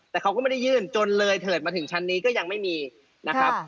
แต่เขาก็ไม่ได้ยื่นจนเลยเถิดมาถึงชั้นนี้ก็ยังไม่มีนะครับ